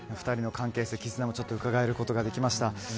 ２人の関係性、絆もうかがえることができました。